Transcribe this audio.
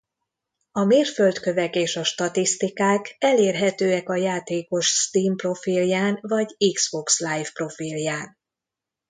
A mérföldkövek és a statisztikák elérhetőek a játékos Steam profilján vagy Xbox Live profilján.